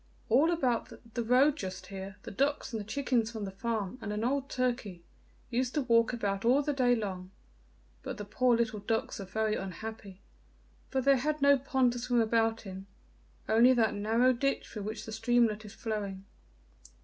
All about the road just here, the ducks and the chickens from the farm, and an old turkey, used to walk about all the day long, but the poor little ducks were very unhappy, for they had no pond to swim about in, only that narrow ditch through which the streamlet is flowing.